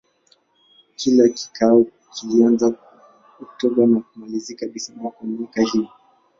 Kila kikao kilianza Oktoba na kumalizika Desemba ya miaka hiyo.